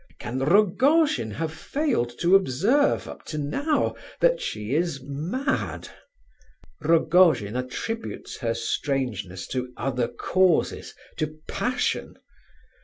Can Rogojin have failed to observe, up to now, that she is mad? Rogojin attributes her strangeness to other causes, to passion!